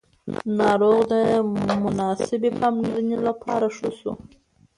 ناروغ د مناسبې پاملرنې له امله ښه شو